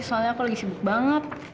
soalnya aku lagi sibuk banget